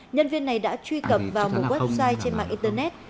nhân viên này đã truy cập vào một website trên mạng internet